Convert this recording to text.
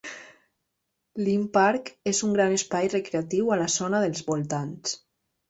Linn Park és un gran espai recreatiu a la zona dels voltants.